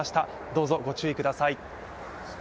どうぞ、ご注意ください。